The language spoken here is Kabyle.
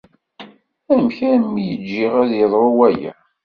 Amek armi i ǧǧiɣ ad d-yeḍru waya?